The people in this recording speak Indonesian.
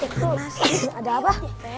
aku mau ngecek tuh ada apa